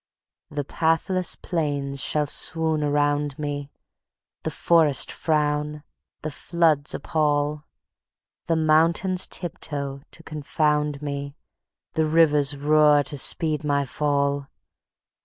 The pathless plains shall swoon around me, The forests frown, the floods appall; The mountains tiptoe to confound me, The rivers roar to speed my fall.